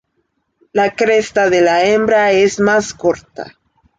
La cresta de la hembra es más corta.